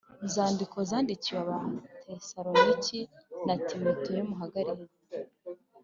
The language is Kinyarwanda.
nzandiko zandikiwe Abatesalonike na Timoteyo Muhagarare